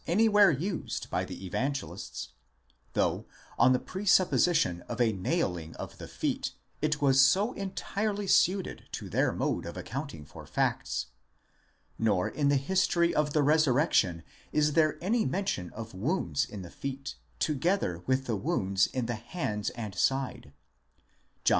anywhere used by the Evangelists, though on the presupposition of a nailing of the feet it was so entirely suited to their mode of accounting for facts, nor in the history of the resurrection is there any mention of wounds in the feet, together with the wounds in the hands and side (John xx, 20, 25, 27).